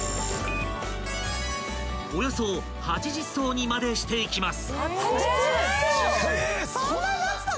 ［およそ８０層にまでしていきます］